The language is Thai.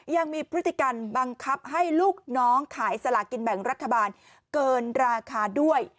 ยังมีพฤติกรรมบังคับให้ลูกน้องขายสลากินแบ่งรัฐบาลเกินราคาด้วย